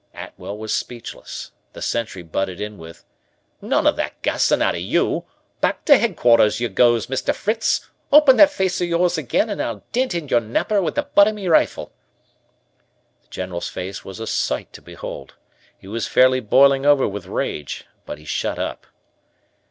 Atwell was speechless. The sentry butted in with: "None o' that gassin' out o' you. Back to Headquarters you goes, Mr. Fritz. Open that face o' yours again, an' I'll dent in your napper with the butt o' me rifle." The General's face was a sight to behold. He was fairly boiling over with rage, but he shut up.